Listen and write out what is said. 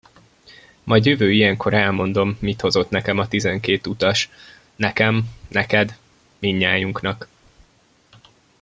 Majd jövő ilyenkor elmondom, mit hozott nekem a tizenkét utas; nekem, neked, mindnyájunknak.